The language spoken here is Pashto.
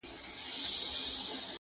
• درد له کلي نه نه ځي..